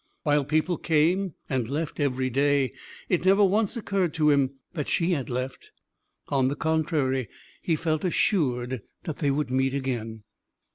While people came and left with every day, it never once occurred to him that she had left. On the contrary, he felt assured that they would meet again.